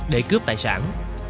để cướp tài sản